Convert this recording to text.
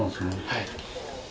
はい。